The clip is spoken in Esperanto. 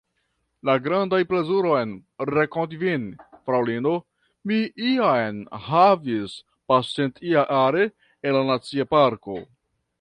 La grandan plezuron renkonti vin, fraŭlino, mi jam havis pasintjare en la Nacia Parko.